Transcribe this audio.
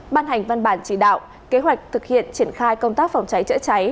ban hành văn bản chỉ đạo kế hoạch thực hiện triển khai công tác phòng cháy chữa cháy